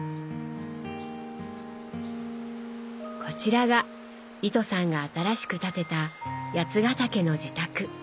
こちらが糸さんが新しく建てた八ヶ岳の自宅。